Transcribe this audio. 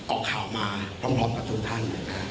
ออกข่าวมาพร้อมกับทุกท่าน